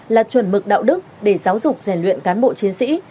là chuẩn mực đạo đức để giáo dục rèn luyện cán bộ chiến sĩ